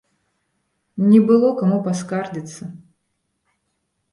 Не было каму паскардзіцца.